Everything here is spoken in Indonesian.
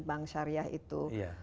bank syariah itu